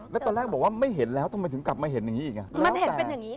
แล้วตอนแรกบอกว่าไม่เห็นแล้วทำไมถึงกลับมาเห็นอย่างนี้อีกอ่ะ